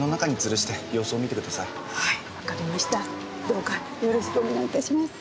どうかよろしくお願い致します。